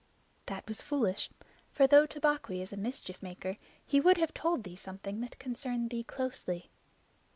"That was foolishness, for though Tabaqui is a mischief maker, he would have told thee of something that concerned thee closely.